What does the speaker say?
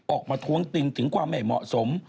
ท้วงติงถึงความไม่เหมาะสม